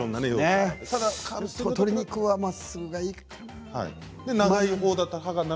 ただ鶏肉はまっすぐがいいかな。